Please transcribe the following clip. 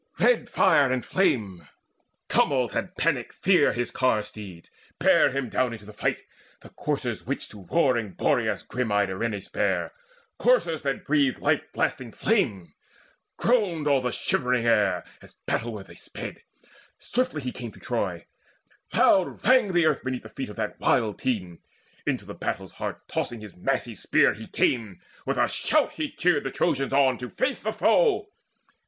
Red fire and Flame, Tumult and Panic fear, His car steeds, bare him down into the fight, The coursers which to roaring Boreas Grim eyed Erinnys bare, coursers that breathed Life blasting flame: groaned all the shivering air, As battleward they sped. Swiftly he came To Troy: loud rang the earth beneath the feet Of that wild team. Into the battle's heart Tossing his massy spear, he came; with a shout He cheered the Trojans on to face the foe.